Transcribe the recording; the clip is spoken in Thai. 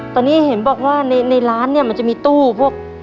ตอนนี้เห็นบอกว่าในร้านเนี่ยมันจะมีตู้พวก